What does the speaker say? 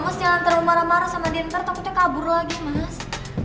mas jangan terlalu marah marah sama diantar takutnya kabur lagi mas